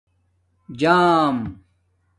جݳم